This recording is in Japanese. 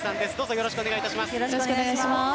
よろしくお願いします。